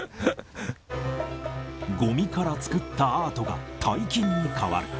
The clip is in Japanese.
ごみから作ったアートが大金に変わる。